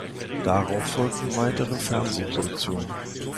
Darauf folgten weitere Fernsehproduktionen.